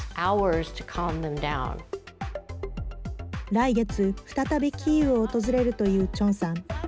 来月再びキーウを訪れるというチョンさん。